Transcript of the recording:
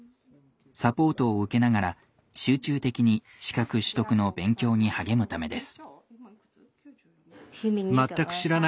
サポートを受けながら集中的に資格取得の勉強に励むためです。